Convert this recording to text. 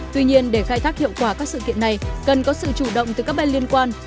tuy nhiên để khai thác hiệu quả các sự kiện này cần có sự chủ động từ các bên liên quan